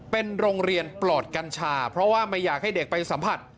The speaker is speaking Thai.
เป็นโรงเรียนปลอดกัญชาเพราะว่าไม่อยากให้เด็กไปสัมผัส